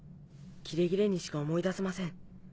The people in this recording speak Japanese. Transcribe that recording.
切れ切れにしか思い出せません。